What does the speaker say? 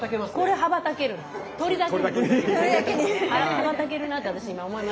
羽ばたけるなって私今思いました。